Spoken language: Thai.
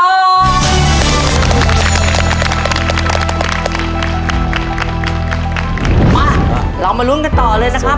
มาเรามาลุ้นกันต่อเลยนะครับ